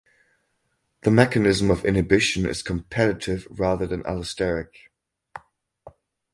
The mechanism of inhibition is competitive rather than allosteric.